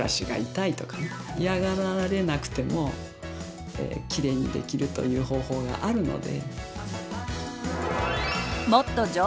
嫌がられなくてもきれいにできるという方法があるので。